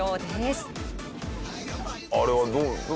あれはどう。